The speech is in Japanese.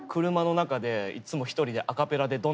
車の中でいつも一人でアカペラで